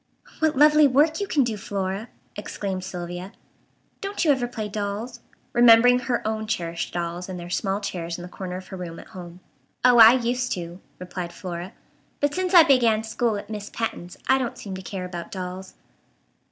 "What lovely work you can do, Flora!" exclaimed Sylvia. "Don't you ever play dolls?" remembering her own cherished dolls in their small chairs in the corner of her room at home. "Oh, I used to," replied Flora, "but since I began school at Miss Patten's I don't seem to care about dolls."